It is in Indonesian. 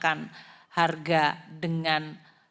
kalau menggunakan harga dengan